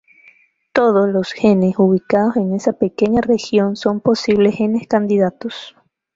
Todos los genes ubicados en esa pequeña región son posibles genes candidatos.